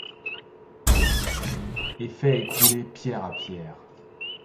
Et fait écrouler pierre à pierre